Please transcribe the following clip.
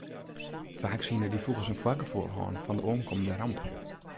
Faaks hiene dy fûgels in foargefoel hân fan de oankommende ramp.